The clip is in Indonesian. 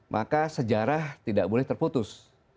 maka sejarah tidak boleh terputus